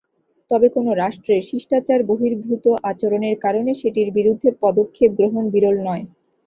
তবে কোনো রাষ্ট্রের শিষ্টাচারবহির্ভূত আচরণের কারণে সেটির বিরুদ্ধে পদক্ষেপ গ্রহণ বিরল নয়।